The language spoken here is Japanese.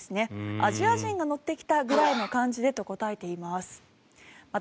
アジア人が乗ってきたぐらいの感じでと答えています。